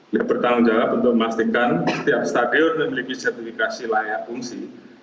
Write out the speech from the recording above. yang bertanggung jawab untuk memastikan setiap stadion memiliki sertifikasi layak fungsi